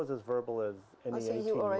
anak yang begitu sakit